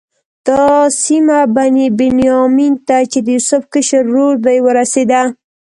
دا سیمه بني بنیامین ته چې د یوسف کشر ورور دی ورسېده.